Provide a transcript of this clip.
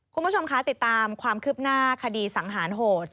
คุณผู้ชมคะติดตามความคืบหน้าคดีสังหารโหด